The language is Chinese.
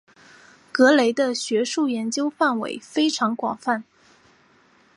格雷的学术研究范围非常广泛。